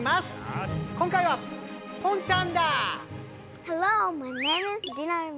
今回はポンちゃんだ！